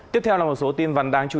tiếp theo là một số tin vấn đáng chú ý